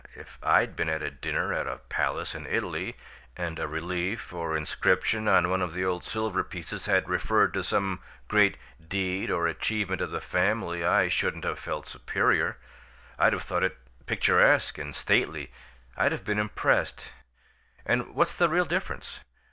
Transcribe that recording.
If I'd been at a dinner at a palace in Italy, and a relief or inscription on one of the old silver pieces had referred to some great deed or achievement of the family, I shouldn't have felt superior; I'd have thought it picturesque and stately I'd have been impressed. And what's the real difference?